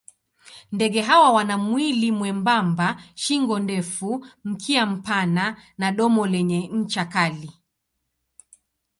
Ndege hawa wana mwili mwembamba, shingo ndefu, mkia mpana na domo lenye ncha kali.